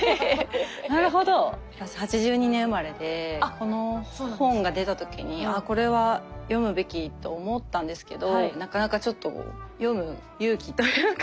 この本が出た時にあこれは読むべきと思ったんですけどなかなかちょっと読む勇気というか。